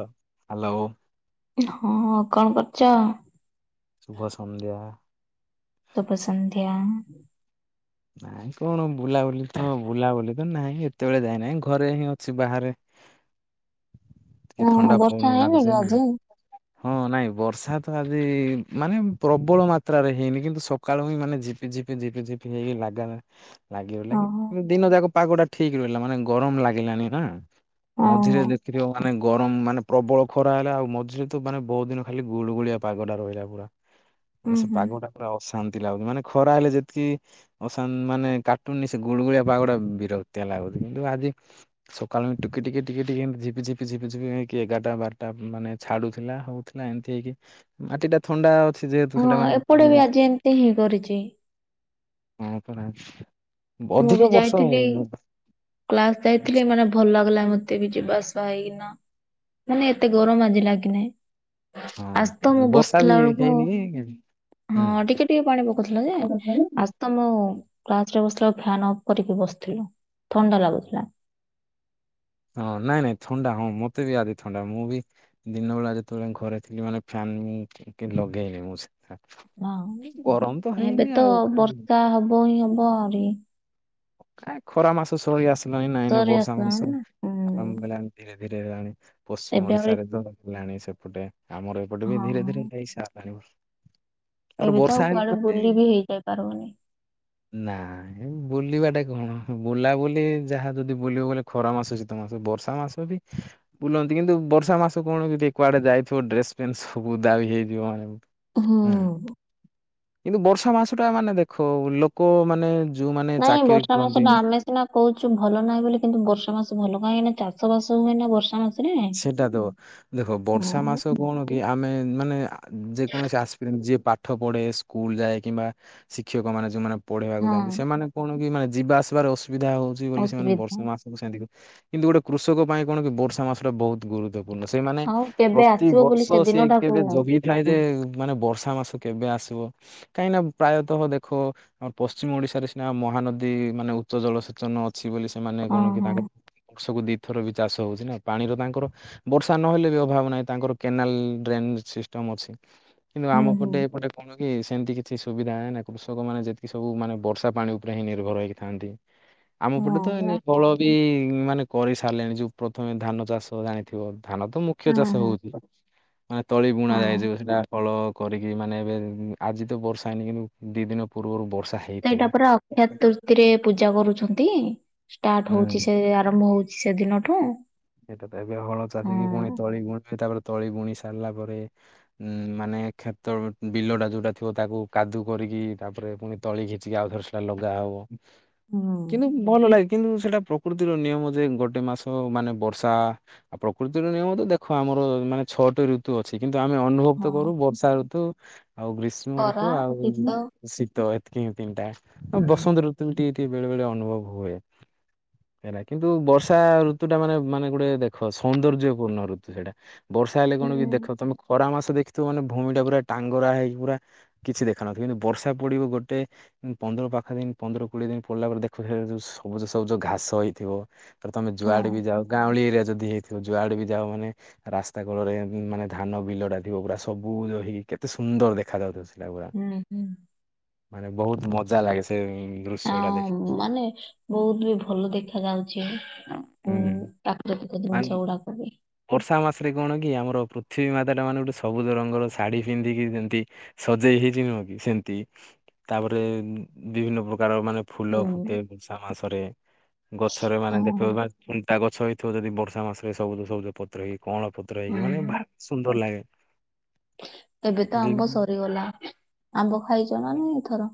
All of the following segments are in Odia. ଅ ହାଲୋ। [unintelligible] ହଁ କଣ କରୁଚ? ଶୁଭ ସନ୍ଧ୍ୟା। ଶୁଭ ସନ୍ଧ୍ୟା। ନାଇଁ କଣ ବୁଲାବୁଲି ତ ବୁଲାବୁଲି ତ ନାହିଁ, ଏତେବେଳେ [unintelligible] ନାହିଁ ଘରେ ହିଁ ଅଛି ବାହାରେ। ଟିକେ ହଁ ଥଣ୍ଡା ବର୍ଷା ପବନ ହେଇନି କି ମାରୁୁଚି। ଆଜି? ହଁ ନାଇଁ ବର୍ଷା ତ ଆଜି ମାନେ ପ୍ରବଳ ମାତ୍ରାରେ ହେଇନି, କିନ୍ତୁ ସ କାଳୁ ହିଁ ମାନେ ଝିପିଝିପି-ଝିପିଝିପି ହେଇକି ଲାଗାଣି [unintelligible] ଓହୋ ଦିନ ଯାକ ପାଗ ଟା ଠିକ ରହିଲା ମାନେ ଗରମ୍ ଲାଗିଲାନି ନା, ହଁ ମଝିରେ ହଁ ଦେଖଥିବ ମାନେ ଗରମ୍ ମାନେ ପ୍ରବଳ ଖରା ହେଲା ଆଉ ମଝିରେ ତ ମାନେ ବହୁତ୍ ଦିନ ଖାଲି ଗୁଳୁଗୁଳିଆ ପାଗଟା ରହିଲା ପୁରା। ହୁଁ ମାନେ ସେ ହୁଁ ପାଗଟା ପୁରା ଅଶାନ୍ତି ଲାଗୁଛି, ମାନେ ଖରା ହେଲେ [unintelligible] ଅଶା ମାନେ କାଟୁନି ସେ ଗୁଳୁଗୁଳିଆ ପାଗ ଟାକୁ ବିରକ୍ତିଆ ଲାଗୁଛି। କିନ୍ତୁ, ଆଜି ସଖାଳୁ ଟିକେ ଟିକେ ଟିକେ ଟିକେ ଝିପି ଝିପି ଝିପି ଝିପି ହେଇକି ଏଗାରଟା ବାରଟା ମାନେ ଛାଡୁଥିଲା ହଉ ନା ଏମିତି ହେଇକି ମାଟି ଟା ଥଣ୍ଡା ଅଛି ଯେହେତୁ ସେଟା ପାଇଁ ପାଣି ଏମିତିହିଁ କରିଛି। ହଁ ପରା ମୁଁ ବି ଅଧିକ ବର୍ଷ ଯାଇଥିଲି ହଁ କ୍ଲାସ ଯାଇଥିଲି ମାନେ ଭଲ୍ ଲାଗିଲା ମତେ ବି ଯିବା ଆସିବା ହେଇକିନା, ମାନେ ଏତେ ଗରମ ଆଜି ଲାଗି ନାହିଁ। ଆଜ୍ ତ ମୁଁ ବର୍ଷା ବି ବସିଥିଲା ବେଳକୁ ହେଇନି ହୁଁ ହଁ ଟିକେ ଟିକେ ପାଣି ପକଉଥିଲା ଯେ, ଆଜ୍ ତ ମୁଁ କ୍ଲାସରେ ବସିଥିଲା ବେଳୁ ଫ୍ୟାନ୍ ଅଫ୍ କରିକି ବସିଥିଲୁ। ଥଣ୍ଡା ଲାଗୁଥିଲା। ହଁ, ନାଇଁ ନାଇଁ ଥଣ୍ଡା, ହଁ ମତେ ବି ଆଜି ଥଣ୍ଡା। ମୁଁ ବି ଦିନବେଳା ଯେତେବେଳେ ଘରେ ଥିଲି ମାନେ ଫ୍ୟାନ୍ ମୁଁ କେ ଲଗେଇନି ମୁଁ ସେ ହଁ। ଗରମ ତ ଏବେ ହେଇନି ଆଉ କାହିଁକି? ବର୍ଷା ହବ ହିଁ ହବ ଆଉରି। କାଇଁ ଖରା ମାସ ସରି ଆସିଲାଣି ନାଇଁ ନାଇଁ ସରି ବର୍ଷା ଆସିଲାଣି ମାସ। ନା ହୁଁ। ଆରମ୍ଭ ହେଲାଣି ଧୀରେ ଧୀରେ ହେଲାଣି। ପଶ୍ଚିମ ଏବେ ଆହୁରି ଓଡିଶାରେ ତ ହେଲାଣି ସେପଟେ। ଆମର ଏ ସେପଟେ ବି ଧୀରେ ଧୀରେ ହଁ ହେଁଇ ସାରିଲାଣି ବର୍ଷ୍ ଏବେ ତ ଆଉ କୁଆଡେ ବୁଲି ବି ହେଇଯାଇ ପାରୁନି? ନାହିଁ। ବୁଲିବାଟା କଣ? ବୁଲାବୁଲି ଯାହା ଯଦି ବୁଲିବ ବୋଲେ ଖରା ମାସ, ଶୀତ ମାସ, ବର୍ଷା ମାସ ବି ବୁଲନ୍ତି କିନ୍ତୁ, ବର୍ଷା ମାସ କଣ ଯଦି କୁଆଡେ ଯାଇଥିବ ଡ୍ରେସ ପେନ୍ ସବୁ ଉଦା ହୋଇଯାଇଥିବ। ହୁଁ। କିନ୍ତୁ, ବର୍ଷା ମାସଟା ମାନେ ଦେଖ, ଲୋକ ମାନେ ଯୋଉମାନେ ନାଇଁ ଚାକିରି ବର୍ଷା କରନ୍ତି ମାସଟା ଆମେ ସିନା କହୁଛୁ ଭଲ ନାହିଁ ବୋଲି କିନ୍ତୁ ବର୍ଷା ମାସ ଭଲ। କାହିଁକିନା, ଚାଷ ବାସ ହୁଏ ନା ବର୍ଷା ମାସ ସେଇଟା ତ, ଦେଖ ବର୍ଷା ହୁଁ। ମାସ କଣ କି, ଆମେ ମାନେ ଯେକୌଣସି ଆସ୍ପିରେନ୍ ଯିଏ ପାଠ, ପଢେ ସ୍କୁଲ ଯାଏ କିମ୍ବା ଶିକ୍ଷକମାନେ ଯୋଉମାନେ ପଢେଇବାକୁ ଯାଆନ୍ତି। ହଁ ସେମାନେ କଣ କି ମାନେ ଯିବା ଆସିବାରେ ଅସୁବିଧା ହଉଛି ବୋଲି ସେମାନେ ଅସୁବିଧା ବର୍ଷା ମାସ ଉଁ ସେନ୍ଦିଗୁ କିନ୍ତୁ ଗୋଟେ କୃଷକ ପାଇଁ କଣ କି ବର୍ଷା ମାସଟା ବହୁତ ଗୁରୁତ୍ବ ପୁନ ସେମାନେ, ଆଉ କେବେ ପ୍ରତି ଆସିବ ବୋଲି ବର୍ଷ ସେ ସେଇ ଦିନଟାକୁ କେବେ ଜଗି ଫ୍ରାଇ ଯେ ମାନେ ବର୍ଷା ମାସ କେବେ ଆସିବ? କାହିଁକି ନା ପ୍ରାୟତଃ ଦେଖ ଆମର୍ ପଶ୍ଚିମ ଓଡିଶାରେ ସିନା ମହାନଦୀ ମାନେ ଉଚ୍ଚ ଜଳସେଚନ ଅଛି ବୋଲି ସେମାନେ ହଁ କଣ କି ହଁ। ତାଙ୍କ ବର୍ଷକୁ ଦି ଥର ବି ଚାଷ ହଉଛି ନା? ପାଣିର ତାଙ୍କର, ବର୍ଷା ନହେଲେ ବି ଅଭାବ ନାହିଁ, ତାଙ୍କର କେନାଲ ଡ୍ରେନ ସିଷ୍ଟମ ଅଛି। କିନ୍ତୁ ହୁଁ ଆମ ହୁଁ। ପଟେ ଏପଟେ ଆପଣ କି ସେମିତି କିଛି ସୁବିଧା ନାହିଁ ନା, କୃଷକମାନେ ଯେତିକି ସବୁ ମାନେ ବର୍ଷା ପାଣି ଉପରେ ହିଁ ନିର୍ଭର ହେଇକି ଥାନ୍ତି? ଆମ ହଁ ପଟେ ତ ଏନେ ପରା ହଳ ବି ମାନେ କରି ସାରିଲେଣି ଯୋଉ ପ୍ରଥମେ ଧାନ ଚାଷ ଜାଣି ଥିବ, ଧାନ ତ ମୁଖ୍ୟ ହଁ ଚାଷ ହଁ ହଉଛି। ମାନେ ତଳି ବୁଣା ଯାଏ ହଁ ଯୋଉ ସେଟା ହଳ କରିକି ମାନେ, ଏବେ ଇଁ ଆଜି ତ ବର୍ଷା ହେଇନି, କିନ୍ତୁ ଦି ଦିନ ପୂର୍ବରୁ ବର୍ଷା ହେ ସେଇଟା ପରା ଅକ୍ଷାତୁର୍ଥୀରେ ପୂଜା କରୁଛନ୍ତି। ଷ୍ଟାର୍ଟ ହୁଁ ହଉଛି ସେ ଆରମ୍ଭ ହଉ ସେଦିନଠୁ ସେଇଟା ତ ଏବେ ହଳ ଚାଲିକି ପୁଣି ତଳି ବୁଣିବେ, ତାପରେ ତଳି ବୁଣି ସାରିଲା ପରେ ଉଁ ମାନେ କ୍ଷେତ ବିଲଟା ଯୋଉଟା ଥିବ, ତାକୁ କାଦୁ କରିକି ତାପରେ ପୁଣି ତଳି କିଛିକି ଆଉଥର ସେଟା ଲଗା ହବ। ହୁଁ କିନ୍ତୁ ଭଲ ଲାଗେ କିନ୍ତୁ ସେଟା ପ୍ରକୃତିର ନିୟମ ଯେ ଗୋଟେ ମାସ ମାନେ ବର୍ ଷା ଆଉ ପ୍ରକୃତିର ନିୟମ ତ ଦେଖ ଆମର ମାନେ ଛଅଟି ଋତ୍ ଋତୁ ଅଛି କିନ୍ତୁ ଆମେ ଅନୁଭବ ହଁ ତ କରୁ ବର୍ଷା ଋତୁ ଆଉ ଗ୍ରୀଷ୍ମ ଖରା ଋତୁ ଆଉ ଶୀତ ଶୀତ ଏତିକି ହିଁ ତିନିଟା ଆଉ ବସନ୍ତ ଋତୁ। ସେମିତି ଟିକେ ଟିକେ ବେଳେ ବେଳେ ଅନୁଭବ ହୁଏ ହେଲା କିନ୍ତୁ ବର୍ଷା ଋତୁ ଟା ମାନେ ମାନେ ଗୋଟେ ଦେଖ ସୌନ୍ଦର୍ଯ୍ୟ ପୂର୍ଣ୍ଣ ଋତୁ ସେଟା ବର୍ଷା ହେଲେ ହୁଁ କଣ ବି ଦେଖ ତମେ ଖରା ମାସ ଦେଖିଥିବ ମାନେ ଭୂମି ଟା ପୁରା ଟାଙ୍ଗରା ହେଇକି ପୁରା କିଛି ଦେଖା ନଥିବ କିନ୍ତୁ ବର୍ଷା ପଡିବ ଗୋଟେ ପନ୍ଦର ପାଖ ଦିନ ପନ୍ଦର କୋଡିଏ ଦିନ ପଡିଲା ପରେ ଦେଖୁ ଥିବେ ଯୋଉ ସବୁଜ ସବୁଜ ଘାସ ହେଇଥିବ। ତ ତମେ ହଁ ଯୁଆଡେ ବି ଯାଅ ଗାଉଁଳି ଏରିଆ ଯଦି ହେଇଥିବ ଯୁଆଡେ ବି ଯାଅ ମାନେ ରାସ୍ତା କଡରେ ମାନେ ଧାନ ବିଲଟା ଥିବ ଗୁଡା ସବୁ ରହିକି କେତେ ସୁନ୍ଦର ଦେଖା ଯାଉଥିବ ସେଟା ଗୁଡା। ହୁଁ ହୁଁ। ମାନେ ବହୁତ ମଜା ଲାଗେ ସେ ଉଁ ଅଁ ମାନେ ବହୁତ ବି ଭଲ ଦେଖ ଯାଉଛି ଉ ହୁଁ। ପ୍ରାକୃତିକ ମାନେ ଜିନିଷ ଗୁଡାକ ବି ବର୍ଷା ମାସରେ କଣ କି ଆମର ପୃଥିବୀ ମାତାଟା ମାନେ ଗୋଟେ ସବୁ ରଙ୍ଗର ଶାଢ଼ୀ ପିନ୍ଧିକି ଯେମତି ସଜେଇ ହେଇଛି ନୁହଁ କି ସେମତି ତାପରେ ବିଭିନ୍ନ ପ୍ରକାର ମାନେ ଫୁଲ ଫୁଟେ ହୁଁ ବର୍ଷା ମାସରେ ଗଛରେ ହଁ ମାନେ ଦେଖିବ ମାନେ ଥୁଣ୍ଟା ଗଛ ହେଇ ଥିବ ଯଦି ବର୍ଷା ମାସରେ ସବୁଜ ସବୁଜ ପତ୍ର ହେଇକି କଅଁଳା ପତ୍ର ହେଇକି ମାନେ ଭା ହୁଁ ସୁନ୍ଦର ଲାଗେ। ଏବେ ତ ଆମ୍ବ ବି- ସରିଗଲା ଆମ୍ବ ଖାଇଛ ନା ନାଇଁ ଏଥର।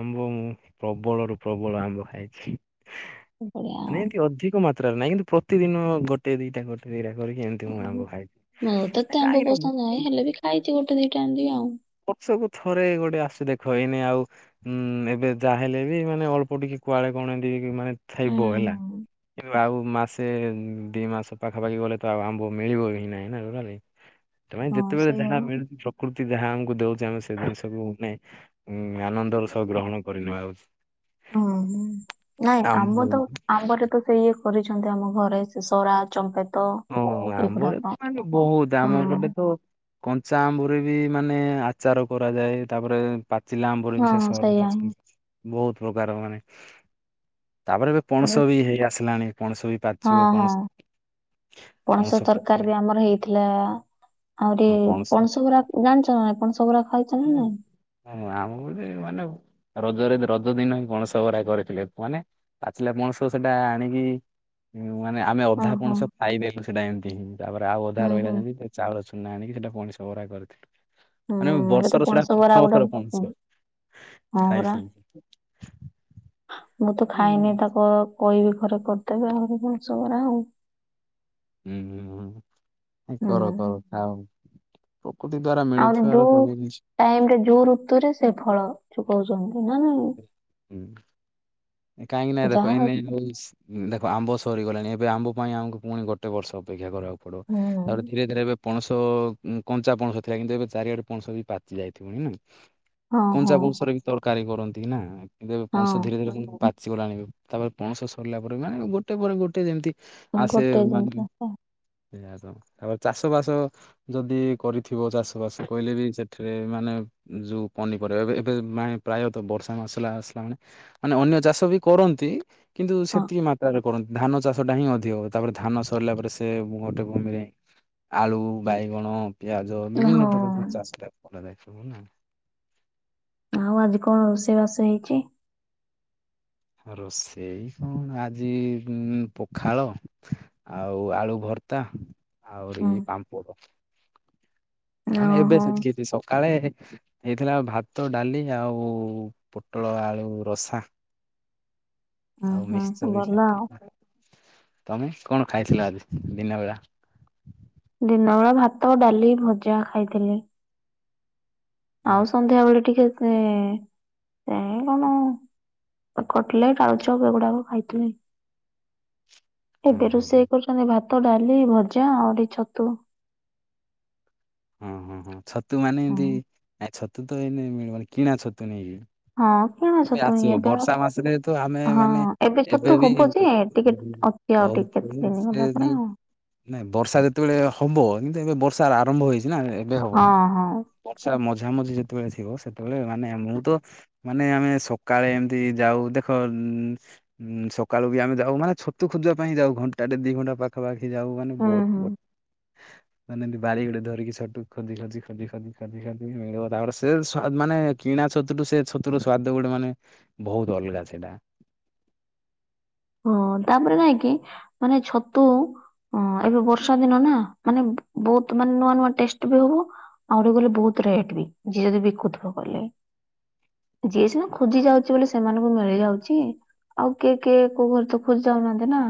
ଆମ୍ବ ମୁଁ ପ୍ରବଳରୁୁ ପ୍ରବଳ ଆମ୍ବ ଖାଇଛି। ବଢିଆ ଆଉ ମାନେ ଏମିତି ଅଧିକ ମାତ୍ରାରେ ନାହିଁ କିନ୍ତୁ ପ୍ରତିଦିନ ଗୋଟେ ଦିଟା ଗୋଟେ ଦିଟା କରିକି ଏମ ଓ ହୋ ମଁ ତତେ ଆମ୍ବ ପସନ୍ଦ ନା ନାହିଁ ହେଲେ ବି ଖାଇଛି ଗୋଟେ ଦିଟା ଏମ୍‌ତି ଆଉ। ବର୍ଷକୁ ଥରେ ଗୋଟେ ଆସେ ଦେଖ ଏଇନେ ଆଉ ହୁଁ ଏବେ ଯାହାହେଲେ ବି ମାନେ ଅଳ୍ପ ଟିକେ କୁଆଡେ କଣେ ଏମିତି ହେଇକି ମାନେ ହୁଁ ଥାଇବ ହେଲା। ହୁଁ ଆଉ ମାସେ ଦି ମାସ ପାଖାପାଖି ଗଲେ ତ ଆଉ ଆମ୍ବ ମିଳିବ ହିଁ ନାଇଁ ନା ଟୋଟାଲେ। ତମେ ହିଁ ହଁ ଯେତେବେଳେ ସେଇଆ ଯାହା ବା ମିଳୁଛି ପ୍ରକୃତି ଯାହା ଆମକୁ ଦଉଛି ଆମେ ସେ ଜିନିଷକୁୁ ନେ ଉଁ ଆନନ୍ଦର ସହ ଗ୍ରହଣ କରିନେବା ହଉଛି। ହଁ ଉଁ ନାଇଁ ଆମ୍ବ ତ ଆମ୍ବଟେ ତ ସେଇ ଇଏ କରିଛନ୍ତି ଆମ ଘରେ ସେ ସରା ଚମ୍ପତି। ହ ଆମ୍ବରେ ମାନେ ବହୁତ୍ ଆମ ହଁ ପଟେ ତ କଞ୍ଚା ଆମ୍ବୁ ରେ ବି ମାନେ ଆଚାର କରାଯାଏ ତାପରେ ପାଚିଲା ଆମ୍ବରି ବି ସେ ହଁ ସହରରେ ସେଇଆ ଅଛି କି ହିଁ ବହୁତ୍ ପ୍ରକାର ମାନେ ତାପରେ ଏବେ ପଣସ ବି ହେଇ ଆସିଲାଣି ପଣସ ବି ହଁ ପାଚିବ ହଁ ପଣସ ପଣସ ତରକାରି ବି ଆମର ହେଇଥିଲା ଆହୁରି ପଣସ ଗୁରା ଜାଣିଛ ନା ନାଇ ଆପଣ ସବୁ ଉରା ଖାଇକି ହୁଁ ଆମ୍ବ ରେ ମାନେ ରଜରେ ରଜ ଦିନ ହିଁ ପଣସ ବରା କରିଥିଲେ ମାନେ ପାଚିଲା ପଣସ ସେଟା ଆଣିକି ମାନେ ଆମେ ଅଧା ଓହୋ। ପଣସ ଖାଇଦେଲୁ ସେଟା ଏମିତି ତାପରେ ଆଉ ଅଧା ହୁଁ ରହିଲା ହୁଁ ଯେମତି ସେ ଚାଉଳ ଚୁନା ଆଣିକି ସେଟା ପଣସ ବରା କରିଥିଲି ମାନେ ହୁଁ ଏବେ ବର୍ଷା ତ ସେଟା ପଣସ ବରା ପ୍ରଥମ ଗୋଟେ ଥର ପଣସ ହଁ ପରା ଖାଇଥିଲୁ। ମୁଁ ତ ଖାଇନି ତାକୁ କହିବି ଘରେ କରିଦେବେ ଆଉ ପଣସ ବରା ଆଉ। ହୁଁ ହୁଁ ହୁଁ ଏଇ କର ହୁଁ କର ଖାଅ। କୁଟି ଦ୍ଵାରାମ୍। ଆହୁରି ଯୋଉ ଟାଇମ ରେ ଯୋଉ ଋତୁରେ ସେ ଫଳ ଯୋଉ କୋଉଚନ୍ତି ନା ନାଇଁ। ହଁ କାହିଁକିନା ଦେଖ ଯାହା ଏଇନେ ମୌସୁ ଦେଖ ଆମ୍ବ ସରିଗଲାଣି ଏବେ ଆମ୍ବ ପାଇଁ ଆମକୁ ପୁଣି ଗୋଟେ ବର୍ଷ ଅପେକ୍ଷା କରିବାକୁ ପଡିବ। ହୁଁ ତାପ ଧୀରେ ଧୀରେ ଏବେ ପଣସ କଞ୍ଚା ପଣସ ଥିଲା କିନ୍ତୁ ଏବେ ଚାରିଆଡେ ପଣସ ବି ପାଚି ଯାଇଥିବଣି ନା। ହଁ କଞ୍ଚା ହଁ ପଂଶରେ ବି ତରକାରୀ କରନ୍ତି ନା କିନ୍ତୁ ଏ ପଂସ ଧୀରେ ଧୀରେ ପୁ ପାଚିଗଲାଣିବି ତାପରେ ପଣସ ସରିଲା ପରେ ମାନେ ଗୋଟେ ପରେ ଗୋଟେ ଯେମିତି ହଁ ଆସେ ଗୋଟେ ମାନ ଜିନିଷ ହଁ। ସେଇଆତ ତାପରେ ଚାଷ ବାସ। ଯଦି କରିଥିବ ଚାଷ ବାସ କହିଲେ ବି ସେଠିରେ ମାନେ ଯୋଉ ପନିପରିବା ଏବେ ଏବେ ମାନେ ପ୍ରାୟତଃ ବର୍ଷା ମାସଲା ଆସିଲାଣି ମାନେ ଅନ୍ୟ ଚାଷ ବି କରନ୍ତି କିନ୍ତୁ ହଁ ସେତିକି ମାତ୍ରାରେ। କରନ୍ତି ଧାନ ଚାଷ ଟା ହିଁ ଅଧିକ ହୁଏ। ତାପରେ ଧାନ ସରିଲା ପରେ ସେ ଗୋଟେ ଭୁମିରେ ଆଳୁ ବାଇଗଣ ପିଆଜ ବିଭିନ୍ନ ପ୍ରକାର ସେଇ ଚାଷ ଟା କରାଯାଏ ସବୁନା। ଆଉ ଆଜି କଣ ରୋଷେଇ ବାସ ହେଇଚି। ରୋଷେଇ କଣ ଆଜି ଉଁ ପଖାଳ ଆଉ ଆଳୁ ଭର୍ତା ଆହୁରି ହୁଁ ପାମ୍ପଡ଼ ମାନେ ଏବେ ଓହୋ। ସେତିକି ଏତିକି ସବୁ କାଳେ ହେଇଥିଲା ଭାତ ଡାଲି ଆଉ ପୋଟଳ ଆଳୁ ରସା। [inaudible] ଉଁ ହୁଁ ମିକ୍ସଚର ବି ଗଲା ଖାଇଥିଲି। ଆଉ। ତମେ କଣ ଖାଇଥିଲ ଆଜି ଦିନ ବେଳା ଦିନ ବେଳେ ଭାତ ଡାଲି ଭଜା ଖାଇଥିଲି। ହୁଁ ଆଉ ସନ୍ଧ୍ୟା ବେଳେ ଟିକେ ଏଇ କଣ ଆଉ କଟଲେଟ୍ ଆଳୁଚପ ଏଗୁଡାକ ଖାଇଥିଲି। ହଁ ଏବେ ହଁ ହଁ। ରୋଷେଇ କରୁଛନ୍ତି ଭାତ ଡାଲି ଭଜା ଆହୁରି ଛତୁ। ହଁ ହଁ ହଁ ଛତୁ ମାନେ ଏମିତି ଆ ଛତୁ ତ ଏଇନ ମିଳିବନି ମାନେ କିଣା ଛତୁ ନେଇକି। ହଁ। କିଣା ଛତୁଁ ହିଁ ଆସିବ ଏବେ ବର୍ଷା ମାସରେ ତ ଆମେ ହବ ହଁ ମାନେ ଏବେ ଛତୁ ହବ ଯେ ଟିକେ କ ସିଏ ଆଉ ହଉ ଟିକ କେତେ ଦିନି ସେ ଗଲା ପରେ ଯୋଉ ଆଉ। ନାଇଁ ବର୍ଷା ଯେତେବେଳେ ହବ କିନ୍ତୁ ଏବେ ବର୍ଷା ଆରମ୍ଭ ହେଇଛି ନା ଏବେ ହଁ ହବନି। ହଁ ବର୍ଷା ମଝାମଝି ଯେତେବେଳେ ଥିବ ସେତେବେଳେ ମାନେ ମୁଁ ତ ମାନେ ଆମେ ସକାଳେ ଏମିତି ଯାଉ ଦେଖ ଉଁ ସକାଳୁ ବି ଆମେ ଯାଉ ମାନେ ଛତୁ ଖୋଜିବା ପାଇଁ ଯାଉ ଘଣ୍ଟାଟେ ଦିଘଣ୍ଟା ପା ପାଖପାଖି ଯାଉ ମାନେ ହୁଁ ବହୁତ ହୁଁ। ବହୁତ। ମାନେ ଏମତି ବାରି ଗୋଡେ ଡରିକି ସଟୁ ଖୋଜି ଖୋଜି ଖୋଜି ଖୋଜି ଖୋଜି ଖୋଜି ମିଳିବ ତାପରେ ସେ ମାନେ କିଣା ଛତୁଠୁ ସେ ଛତୁର ସ୍ଵାଦ ଗୋଟେ ମାନେ ବହୁତ ଅଲଗା ଥିଲା। ହଁ ତାପରେ ନାଇଁ କି ମାନେ ଛତୁ ହଁ ଏବେ ବର୍ଷା ଦିନ ନା ମାନେ ବହୁତ ମାନେ ନୂଆ ନୂଆ ଟେଷ୍ଟ ବି ହବ। ଆଉ ଗୋଟେ ଗଲେ ବହୁତ ରେଟ୍ ବି ଯିଏ ଯଦି ବିକୁଥିବ କଲେ। ଯିଏ ସିନା ଖୋଜି ଯାଉଛି ବୋଲି ସେମାନଙ୍କୁ ମିଳି ଯାଉଛି ଆଉ କିଏ କିଏ କୋଉ ଘରେ ତ ଖୋଜି ଯାଉନାହାନ୍ତି ନା।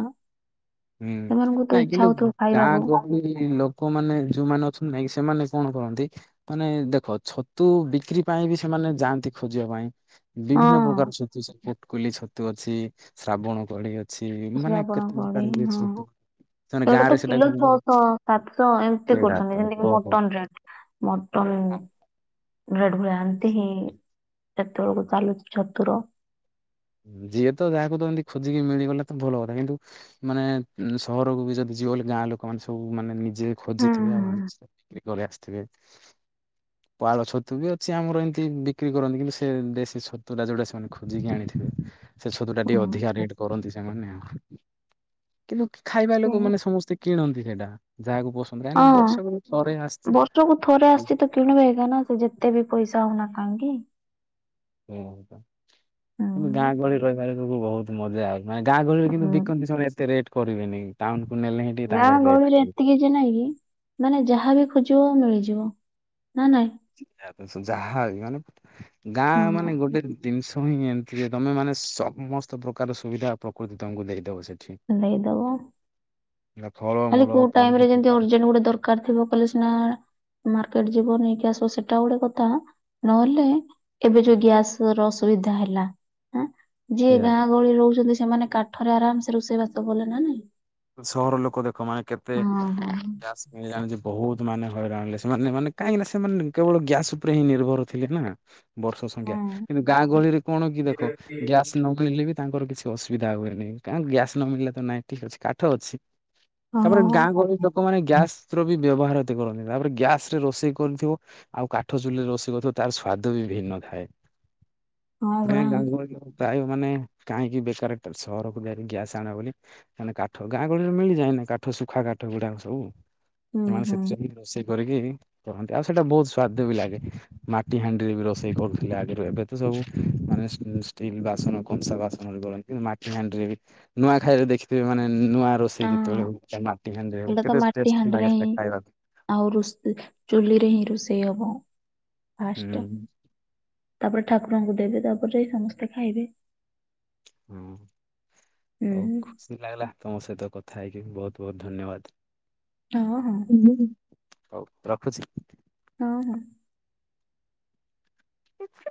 ହୁଁ ସେମାନଙ୍କୁ ତ ନାଇଁ ଇଚ୍ଛା କିନ୍ତୁ ହଉଥିବ ଗାଁ ଖାଇବାକୁ। ଗ ମୁଁ କହିଲି ଲୋକମାନେ ଯୋଉମାନେ ଅଛନ୍ତି ନାଇଁ ସେମାନେ କଣ କରନ୍ତି। ମାନେ ଦେଖ ଛତୁ ବିକ୍ରି ପାଇଁ ବି ସେମାନେ ଯାଆନ୍ତି ଖୋଜିବା ପାଇଁ। ହଁ ବିଭିନ୍ନ ପ୍ରକାର ଛତୁ ସେ ପୋଟକଲି ଛତୁ ଅଛି ଶ୍ରାବଣ କଳେ ଛି ମାନେ ଶ୍ରାବଣ କେତେ ହଁ ପ୍ରକାର କୋଳି ବି ଅଛି ଛତୁ ସେମାନେ ସେଇଟା ଗାଁ ତ ରେ ସେଟା କିଲୋ କୁହନ୍ତି ଛଅଶହ ସାତଶହ ଏମତି ସେଇଟା ତ କରୁଛନ୍ତି ଯେମିତିକି ଓହୋ। ମଟନ୍ ଯାନ୍ତି ମଟନ୍ ଦେଢ଼ ଭଳିଆ ଆନ୍ତି ହିଁ କେତେବେଳକୁ ଚାଲୁଛି ଛତୁର ଯିଏ ତ ଯାହାକୁ ତ ଏମତି ଖୋଜିକି ମିଳିଗଲେ ତ ଭଲ କଥା କିନ୍ତୁ ମାନେ ସହରକୁ ବି ଯଦି ଯିବବୋଲେ ଗାଁ ଲୋକ ମାନେ ସବୁ ମାନେ ନିଜ ଯେଏ ହୁଁ ଖୋଜିଥିବ ଆଂ ବିକ୍ରି କରି ଆସଥିବେ। ପାଳ ଛତୁ ବି ଅଛି ଆମର ଏମିତି ବିକ୍ରି କରନ୍ତି କିନ୍ତୁ ସେ ଦେଶୀ ଛତୁୁଟା ଯୋଡା ସେମାନେ ଖୋଜିକି ଆଣିଥିବେ। ସେ ଛତୁଟା ହୁଁ ଟିକେ ଅଧିକା ରେଟ୍ କରନ୍ତି ସେମାନେ ଆଉ କିନ୍ତୁ ଖାଇବା ହୁଁ। ଲୋକ ମାନେ ସମସ୍ତେ କିଣନ୍ତି ସେଟା ଯାହାକୁ ପୋ କାଇଁକିନା ହଁ ବର୍ଷକୁ ଥରେ ଆସିଚି। ବର୍ଷକୁ ଥରେ ଆସିଚି ତ କିଣିବେ ନା ନା ସେ ଯେତେ ବି ପଇସା ହଉନା ନା କାହିଁକି। ହଁ ହୁଁ ଗାଁ ଗହଳି ରହିବାରେ ସବୁ ବହୁତ ମଜା ଆଉ ମାନେ ଗାଁ ଗହଳିରେ କିନ୍ତୁ ହୁଁ। ବିକନ୍ତି ସେମାନେ ଏତେ ରେଟ କରିବେନି। ଟାଉନୁ କୁ ନେଲେ ହିଁ ଦି ଗାଁ ତାଙ୍କର ଗହଳିରେ ରେଟ୍। ଏତିକି ଯେ ନାଇଁ କିି ମାନେ ଯାହା ବି ଖୋଜିବ ମିଳିଯିବ ନା ନାଇଁ ଯାହା ମାନେ ଗାଁ ହଁ ମାନେ ଗୋଟେ ଜିନିଷ ହିଁ ଏମିତି ଯେ ତମେ ମାନେ ସମସ୍ତ ପ୍ରକାର ସୁବିଧା ପ୍ରକୃତି ତମକୁ ଦେଇଦବ ସେଠି ନେଇଦବ ଏଟା ଫଳ ଖାଲି କୋଉ ଟାଇମ ରେ ଯେମିତି ଅର୍ଜେଣ୍ଟ ଗୋଟେ ଦରକାର ଥିବ କହେ ସିନା ମାର୍କେଟ ଯିବ ନେଇକି ଆସିବ ସେଟା ଗୋଟେ କଥା ନହେଲେ ଏବେ ଯୋଉ ଗ୍ୟାସ ର ଅସୁବିଧା ହେଲା ହଁ ଯିଏ ସେଇଆ ଗାଁ ଗହଳି ରହୁଛନ୍ତି ସେମାନେ କାଠରେ ଆରାମ ସେ ରୋଷେଇ ବାସ କଲେ ନା ନାଇଁ ସହର ଲୋକ ଦେଖ ମାନେ କେତେ ହଁ ହଁ ଜାଣିଛ ବହୁତ ମାନେ ହଇରାଣେ ସେମାନେ ମାନେ କାହିଁକିନା ସେମାନେ କେବଳ ଗ୍ୟାସ ଉପରେ ହିଁ ନିର୍ଭର ଥିଲେ ନା ବର୍ଷ ସଂଖ୍ୟା କିନ୍ତୁ ଗାଁ ଗହଳିରେ କଣ କି ଦେଖ ଗ୍ୟାସ ନ ମିଳିଲେ ବି ତାଙ୍କର କିଛି ଅସୁବିଧା ହୁଏନି କା ଗ୍ୟାସ ନ ମିଳିଲେ ତ ନାଇଁ ଠିକ ଅଛି କାଠ ଅଛି ହଁ। ତାପରେ ହଁ ଗାଁ ଗହଳି ଲୋକମାନେ ଗ୍ୟାସ ର ବି ବ୍ୟବହାର ଏତେ କରନ୍ତିନି ତାପରେ ଗ୍ୟାସ ରେ ରୋଷେଇ କରିଥିବ ଆଉ କାଠ ଚୁଲିରେ ରୋଷେଇ କରଥିବ ତାର ସ୍ଵାଦ ବି ଭିନ୍ନ ଥାଏ ହଁ [unintelligible] ପରା। ଗା ପ୍ରାୟ ମାନେ କାହିଁକି ବେକାର ସହରକୁ ଯାଇକି ଗ୍ୟାସ୍ ଆଣିବା ବୋଲି ମାନେ କାଠ କାଠ ଗାଁ ଗହଳିରେ ମିଳିଯାଏନା କାଠ ଶୁଖା କାଠ ଗୁଡାକ ସବୁ ହୁଁ ସେମାନେ ହୁଁ ସେଥିରେ ରୋଷେଇ କରିକି କହନ୍ତି ଆଉ ସେଇଟା ବହୁତ ସ୍ଵାଦ ବି ଲାଗେ ମାଟି ହାଣ୍ଡିରେ ବି ରୋଷେଇ କରୁଥିଲେ ଆଗରୁ ଏବେ ତ ସବୁ ମାନେ ଷ୍ଟିଲ ବାସନ କଂସା ବାସନରେ କରନ୍ତି ମାଟି ହାଣ୍ଡିରେ ବି ନୂଆଖାଇରେ ଦେଖିଥିବେ ମାନେ ନୂଆ ରୋଷେଇ ହଁ ଯେତେବେଳେ ହଉ ମାଟି ହାଣ୍ଡିରେ ଏଇଟା ତ କେତେ ମାଟି ଟେଷ୍ଟି ହାଣ୍ଡିରେ ଲାଗେ ହିଁ ସେଟା ଖାଇବାକୁ ଆଉ ରୋଷେଇ ଚୁଲିରେ ହିଁ ରୋଷେଇ ହବ ଫାଷ୍ଟ୍ ହୁଁ ତାପରେ ଠାକୁରଙ୍କୁ ଦେବେ ତାପରେ ଯାଇ ସମସ୍ତେ ଖାଇବେ ହଁ ହୁଁ ହଉ ଖୁସି ଲାଗିଲା ତମ ସହିତ କଥା ହେଇକି ବହୁତ ବହୁତ ଧନ୍ୟବାଦ ହଁ ହଁ। ହଉ ରଖୁଛି। ହଁ ହଁ। ଆ୍ଛା [unintelligible]